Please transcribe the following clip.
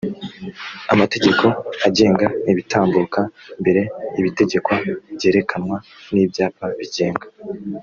amategeko agenga ibitambuka mbere ibitegekwa byerekanwa n ibyapa bigenga